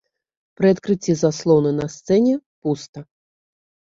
Пры адкрыцці заслоны на сцэне пуста.